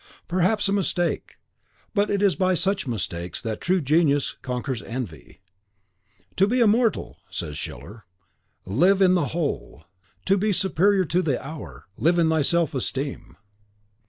Perhaps a mistake, but it is by such mistakes that true genius conquers envy. "To be immortal," says Schiller, "live in the whole." To be superior to the hour, live in thy self esteem.